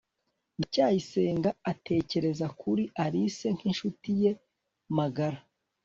ndacyayisenga atekereza kuri alice nk'inshuti ye magara